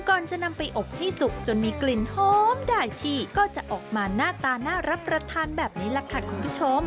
ก่อนจะนำไปอบให้สุกจนมีกลิ่นหอมได้ที่ก็จะออกมาหน้าตาน่ารับประทานแบบนี้แหละค่ะคุณผู้ชม